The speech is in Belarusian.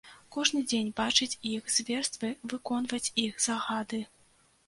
Кожны дзень бачыць іх зверствы, выконваць іх загады.